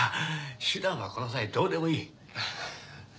手段はこの際どうでもいい。